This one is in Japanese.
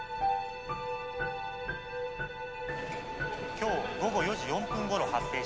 「今日午後４時４分ごろ発生した」。